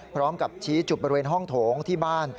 พร้อมกับชี้จุดบริเวณห้องโถงที่บ้าน